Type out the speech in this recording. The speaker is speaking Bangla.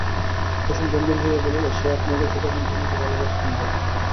কুসুম গম্ভীর হইয়া বলিল, সে আপনি ওকে ছোটবোনটির মতো ভালোবাসেন বলে।